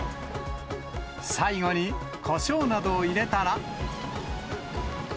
最後にこしょうなどを入れたら。